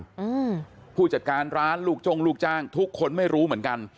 อืมผู้จัดการร้านลูกจ้งลูกจ้างทุกคนไม่รู้เหมือนกัน